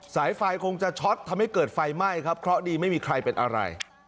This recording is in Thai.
สายไฟคงจะช็อตทำให้เกิดไฟไหม้ครับเพราะดีไม่มีใครเป็นอะไร